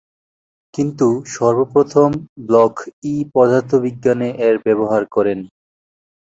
কিন্তু সর্বপ্রথম ব্লখ-ই পদার্থবিজ্ঞানে এর ব্যবহার করেন।